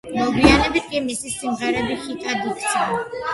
მოგვიანებით კი მისი სიმღერები ჰიტებად იქცა.